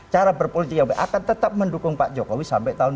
cara berpolitik yang akan tetap mendukung pak jokowi sampai tahun dua ribu empat